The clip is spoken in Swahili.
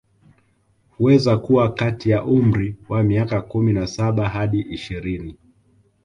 Huweza kuwa kati ya umri wa miaka kumi na saba hadi ishirini